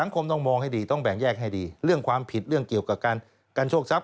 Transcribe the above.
คณะกรรมการสิทธิ์มนุษยชน